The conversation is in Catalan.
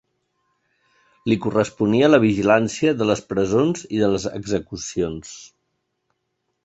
Li corresponia la vigilància de les presons i de les execucions.